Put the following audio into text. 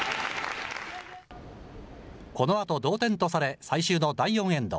このあと同点とされ、最終の第４エンド。